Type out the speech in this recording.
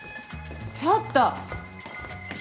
ちょっと。